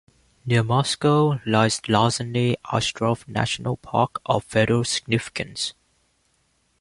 Near Moscow lies Losiny Ostrov National Park of federal significance.